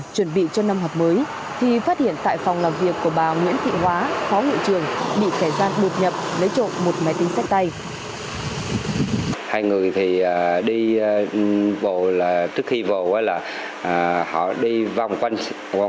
chuẩn bị cho năm học mới thì phát hiện tại phòng làm việc của bà nguyễn thị hóa